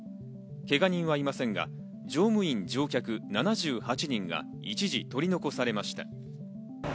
けが人はいませんが、乗務員、乗客７８人が一時取り残されました。